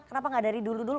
kenapa gak dari dulu dulu